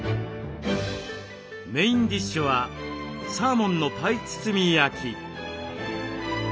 メインディッシュはサーモンのパイ包み焼き。